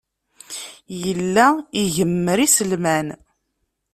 Yella igemmer iselman.